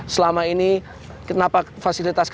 selama ini kenapa fasilitasnya